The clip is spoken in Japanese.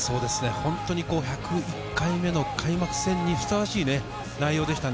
本当に１０１回目の開幕戦にふさわしい内容でしたね。